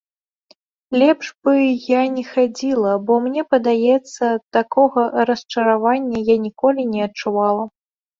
Лепш бы я не хадзіла, бо мне падаецца, такога расчаравання я ніколі не адчувала.